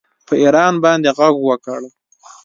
په ایران باندې غږ وکړ